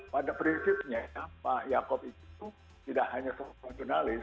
pada prinsipnya pak yaakob itu tidak hanya seorang jurnalis